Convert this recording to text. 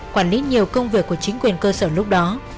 quản lý nhiều công việc của chính quyền cơ sở lúc đó